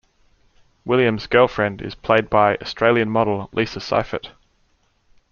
Williams' girlfriend is played by Australian model Lisa Seiffert.